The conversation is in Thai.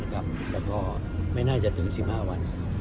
แล้วก็ไม่น่าจะถึง๑๕วัน